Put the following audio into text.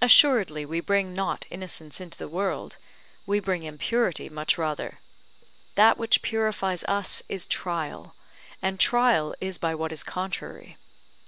Assuredly we bring not innocence into the world, we bring impurity much rather; that which purifies us is trial, and trial is by what is contrary.